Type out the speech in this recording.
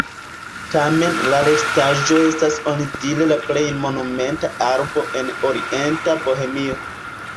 Tamen la restaĵo estas onidire la plej monumenta arbo en orienta Bohemio.